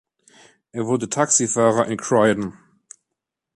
Er wurde Taxifahrer in Croydon.